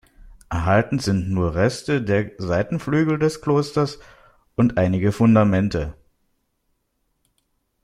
Erhalten sind nur Reste der Seitenflügel des Klosters und einige Fundamente.